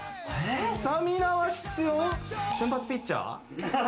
先発ピッチャー？